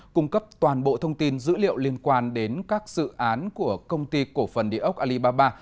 cung cấp toàn bộ thông tin dữ liệu liên quan đến các dự án của công ty cổ phần địa ốc alibaba